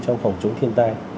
trong phòng chống thiên tai